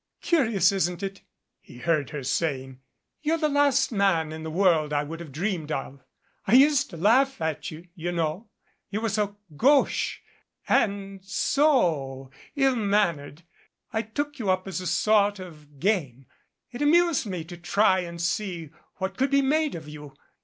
"Curious, isn't it?" he heard her saying. "You're the last man in the world I would have dreamed of. I used to laugh at you, you know. You were so gauche and so ill mannered. I took you up as a sort of game. It amused me to try and see what could be made of you.